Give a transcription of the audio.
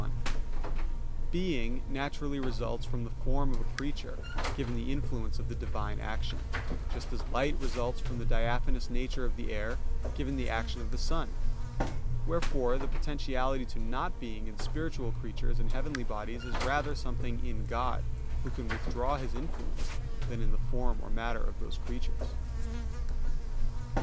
1: Being naturally results from the form of a creature, given the influence of the Divine action; just as light results from the diaphanous nature of the air, given the action of the sun. Wherefore the potentiality to not being in spiritual creatures and heavenly bodies is rather something in God, Who can withdraw His influence, than in the form or matter of those creatures.